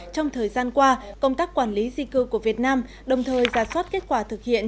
trong thời gian qua công tác quản lý di cư của việt nam đồng thời giả soát kết quả thực hiện